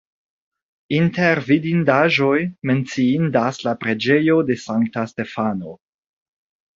Inter vidindaĵoj menciindas la preĝejo de Sankta Stefano.